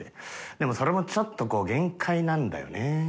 でもそれもちょっとこう限界なんだよね。